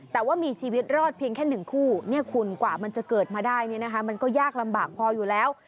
แต่ว่ามีชีวิตรอดเพียงแค่๑คู่เนี่ยคุณกว่ามันจะเกิดมาได้เนี่ยนะคะมันก็ยากลำบากพออยู่แล้ว